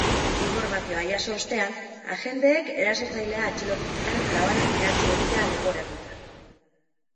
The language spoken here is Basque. Informazioa jaso ostean, agenteek erasotzailea atxilotu zuten, labanaz mehatxu egitea leporatuta.